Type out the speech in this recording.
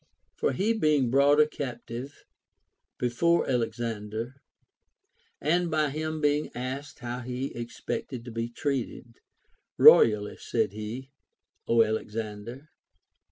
For he being brought a captive before Alexander, and by him being asked how he ex[)ected to be treated, E,oyally, said he, Ο Alexander.